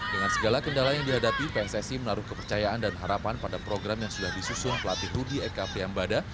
dengan segala kendala yang dihadapi pssi menaruh kepercayaan dan harapan pada program yang sudah disusun pelatih rudy eka priambada